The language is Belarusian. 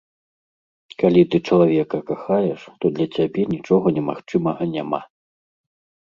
Калі ты чалавека кахаеш, то для цябе нічога немагчымага няма.